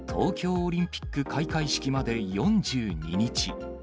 オリンピック開会式まで４２日。